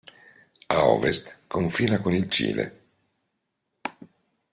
A ovest confina con il Cile.